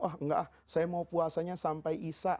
oh enggak saya mau puasanya sampai isa